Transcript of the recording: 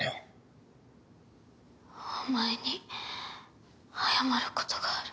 お前に謝ることがある。